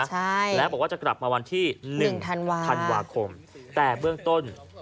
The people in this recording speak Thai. ใช่แล้วบอกว่าจะกลับมาวันที่หนึ่งธันวาธันวาคมแต่เบื้องต้น